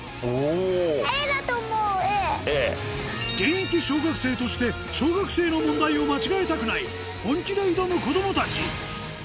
現役小学生として小学生の問題を本気で挑む子供たち